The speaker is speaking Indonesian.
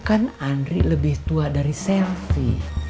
kan andri lebih tua dari selfie